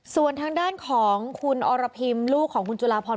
ส่วนทางด้านของคุณอรพิมลูกของคุณจุลาพร